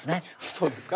そうですか？